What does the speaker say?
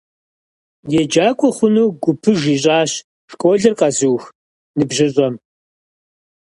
ЕгъэджакӀуэ хъуну гупыж ищӀащ школыр къэзыух ныбжьыщӀэм.